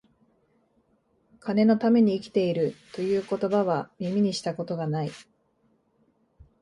金のために生きている、という言葉は、耳にした事が無い